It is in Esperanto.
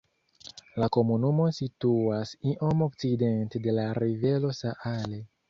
La komunumo situas iom okcidente de la rivero Saale.